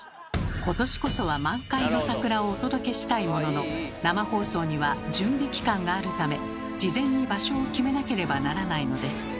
今年こそは満開の桜をお届けしたいものの生放送には準備期間があるため事前に場所を決めなければならないのです。